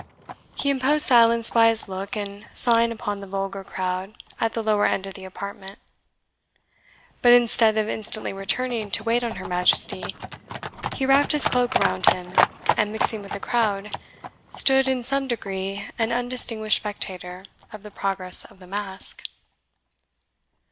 He imposed silence by his look and sign upon the vulgar crowd at the lower end of the apartment; but instead of instantly returning to wait on her Majesty, he wrapped his cloak around him, and mixing with the crowd, stood in some degree an undistinguished spectator of the progress of the masque.